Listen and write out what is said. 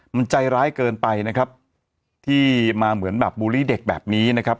มันใจร้ายเกินไปนะครับที่มาเหมือนแบบบูลลี่เด็กแบบนี้นะครับ